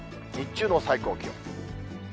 日中の最高気温。